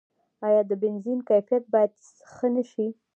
آیا د بنزین کیفیت باید ښه نشي؟